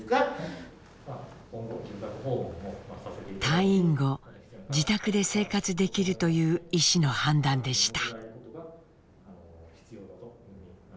退院後自宅で生活できるという医師の判断でした。